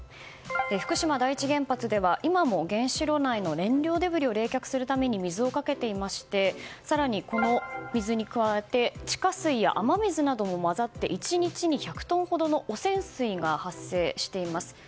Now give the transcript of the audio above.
福島第一原発では今も原子炉内の燃料デブリを冷却するために水をかけていまして更に、その水に加えて地下水や雨水なども混ざって１日に１００トンほどの汚染水が発生しています。